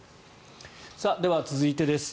では、続いてです。